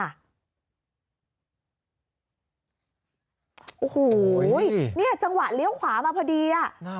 โอ้โหเนี่ยจังหวะเลี้ยวขวามาพอดีอ่ะ